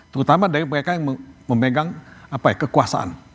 terutama dari mereka yang memegang kekuasaan